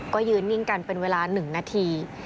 ก็ยืนนิ่งกันเป็นเวลา๑นาที